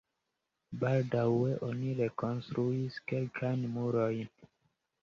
Baldaŭe oni rekonstruis kelkajn murojn.